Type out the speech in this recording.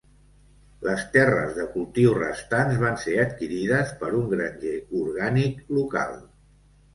Les terres de cultiu restants van ser adquirides per un granger orgànic local.